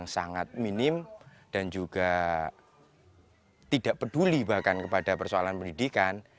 sangat minim dan juga tidak peduli bahkan kepada persoalan pendidikan